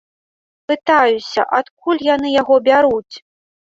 Пытаюся, адкуль яны яго бяруць?